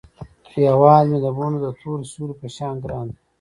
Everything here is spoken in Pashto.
هیواد مې د بڼو د تور سیوري په شان ګران دی